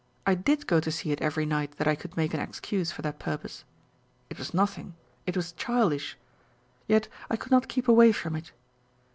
I did go to see it every night that I could make an excuse for that purpose. It was nothing ; it was childish. Yet I could not keep away from it.